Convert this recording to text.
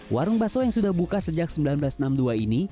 warung bakso yang sudah buka sejak seribu sembilan ratus enam puluh dua ini